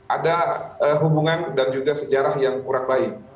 ada hubungan dan juga sejarah yang kurang baik